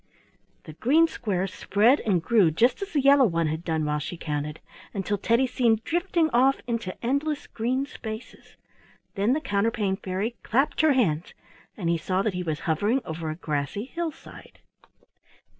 The green square spread and grew just as the yellow one had done while she counted, until Teddy seemed drifting off into endless green spaces. Then the Counterpane Fairy clapped her hands and he saw that he was hovering over a grassy hillside.